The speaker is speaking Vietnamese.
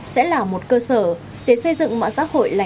sẽ là một cơ sở để xây dựng mạng xã hội là